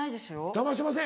だましてません？